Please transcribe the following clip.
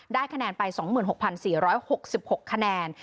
คะแนนไป๒๖๔๖๖คะแนน